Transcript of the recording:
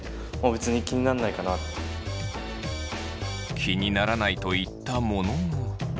気にならないと言ったものの。